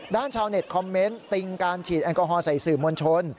ชาวเน็ตคอมเมนต์ติงการฉีดแอลกอฮอล์ใส่สื่อมวลชน